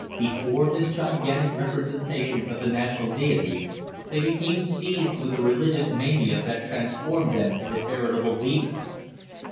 Before this gigantic representation of the national deity, they became seized with a religious mania that transformed them into veritable demons.